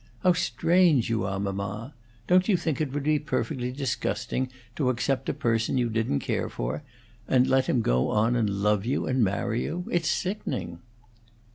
How strange you are, mamma! Don't you think it would be perfectly disgusting to accept a person you didn't care for, and let him go on and love you and marry you? It's sickening."